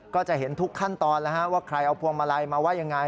ก็จะเห็นทุกขั้นตอนแล้วว่าใครเอาพวงมาลัยมาว่ายังไง